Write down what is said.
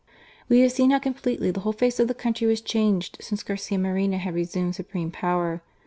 We have seen how completelj' the whole face of the country was changed since Garcia Moreno had resumed supreme power.